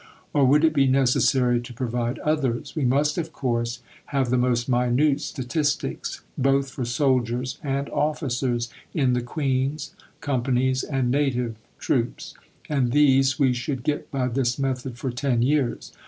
Or would it be necessary to provide others? We must, of course, have the most minute Statistics both for Soldiers and Officers in the Queen's, Company's and native troops. And these we should get by this method for 10 years.